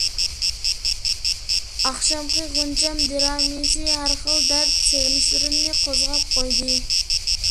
ئاخشامقى غۇنچەم دىرامىسى ھەر خىل دەرد، سېغىنىشلىرىمنى قوزغاپ قويدى.